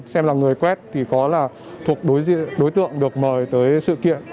xem là người quét thì có là thuộc đối tượng được mời tới sự kiện